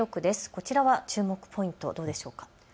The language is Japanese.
こちらは注目ポイント、どうでしょうか。